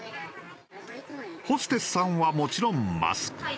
ホステスさんはもちろんマスク。